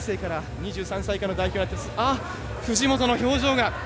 藤本の表情が。